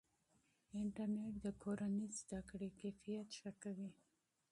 انټرنیټ د کورنۍ د زده کړې کیفیت ښه کوي.